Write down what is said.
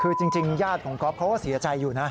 คือจริงญาติของก๊อฟเขาก็เสียใจอยู่นะ